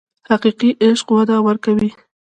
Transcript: حقیقي عشق وده ورکوي.